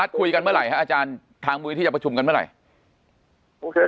เลยซื้อเหรอไอ้เร้เสียไปอาการทางมือที่จะศึกกันเมื่อไหร่